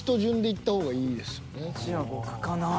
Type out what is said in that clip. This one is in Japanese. じゃあ僕かな。